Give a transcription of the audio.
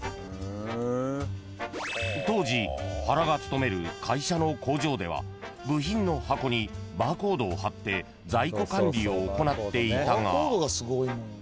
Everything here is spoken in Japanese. ［当時原が勤める会社の工場では部品の箱にバーコードを貼って在庫管理を行っていたが］